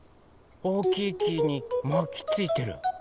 おおきい木にまきついてる。